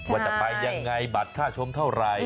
ว่าจะไปยังไงบัตรค่าชมเท่าไหร่